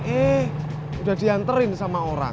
eh udah dianterin sama orang